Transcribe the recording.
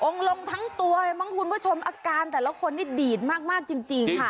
องค์ลงทั้งตัวบางคุณผู้ชมอาการแต่ละคนที่ดีดมากจริง